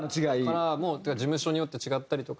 カラーも事務所によって違ったりとか。